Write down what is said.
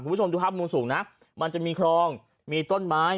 คุณผู้ชมดูภาพมุมสูงนะมันจะมีคลองมีต้นไม้